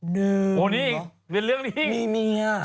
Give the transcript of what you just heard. เดิมหรอมีเมีย